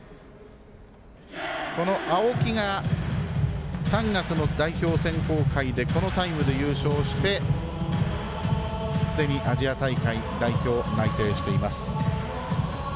この青木が３月の代表選考会でこのタイムで優勝してすでにアジア大会代表内定しています。